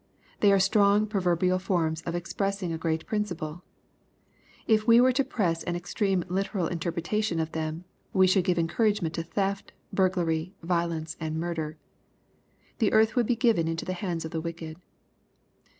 They are strong proverbial forms of expressing .% great principle. If we were to press an extreme literal interpret tation of them, we should give encouragement to theft^ burglary, violence, and murder. The earth would be given into the hands of the wicked.